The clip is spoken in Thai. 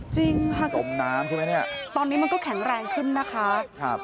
จริงค่ะบิ้งน้ำใช่ไหมละตอนนี้มันก็แข็งแรงขึ้นนะคะ